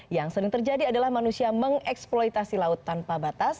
yang sering terjadi adalah manusia mengeksploitasi laut tanpa batas